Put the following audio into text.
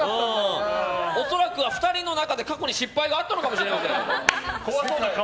恐らく２人の中で過去に失敗があったのかもしれない。